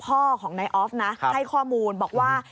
พ่อของนายออฟนะให้ข้อมูลบอกว่า